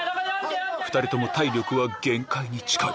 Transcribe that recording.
２人とも体力は限界に近い・